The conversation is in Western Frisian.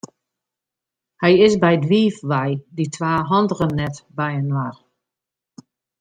Hy is by it wiif wei, dy twa handigen net byinoar.